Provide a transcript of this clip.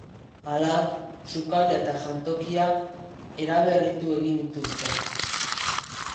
Hala, sukaldea eta jantokia eraberritu egin dituzte.